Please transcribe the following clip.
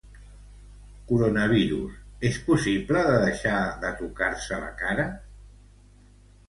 Coronavirus: és possible de deixar de tocar-se la cara?